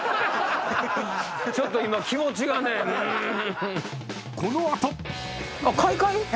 ちょっと今気持ちがねうん。